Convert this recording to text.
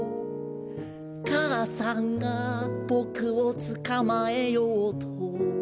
「かあさんがボクをつかまえようと」